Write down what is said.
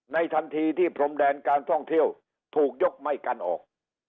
ทันทีที่พรมแดนการท่องเที่ยวถูกยกไม่กันออก